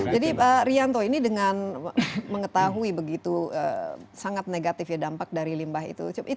jadi pak rianto ini dengan mengetahui begitu sangat negatif dampak dari limbah itu